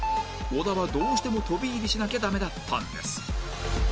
小田はどうしても飛び入りしなきゃダメだったんです